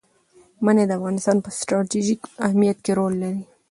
منی د افغانستان په ستراتیژیک اهمیت کې رول لري.